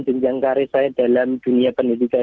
jenjang karir saya dalam dunia pendidikan